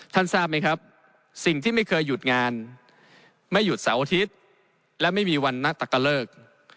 ทราบไหมครับสิ่งที่ไม่เคยหยุดงานไม่หยุดเสาร์อาทิตย์และไม่มีวันณตะกะเลิก